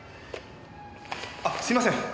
あっすいません。